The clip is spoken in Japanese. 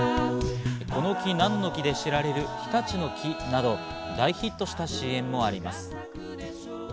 この木なんの木で知られる『日立の樹』など大ヒットしたＣＭもあります。